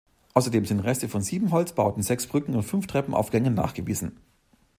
Außerdem sind Reste von sieben Holzbauten, sechs Brücken und fünf Treppenaufgängen nachgewiesen.